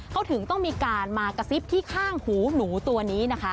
เขาถึงต้องมีการมากระซิบที่ข้างหูหนูตัวนี้นะคะ